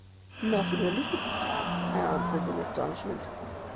"Not in the least," I answered in astonishment.